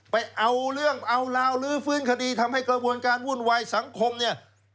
ไปเอาเรื่องเอาราวลื้อฟื้นคดีทำให้กระบวนการวุ่นวายสังคมเนี่ย